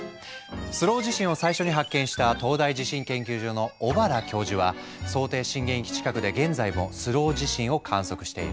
スロー地震を最初に発見した東大地震研究所の小原教授は想定震源域近くで現在もスロー地震を観測している。